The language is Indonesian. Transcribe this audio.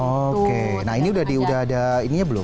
oke nah ini udah ada ininya belum